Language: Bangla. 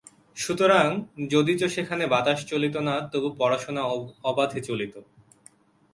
সুতরাং, যদিচ সেখানে বাতাস চলিত না তবু পড়াশুনা অবাধে চলিত।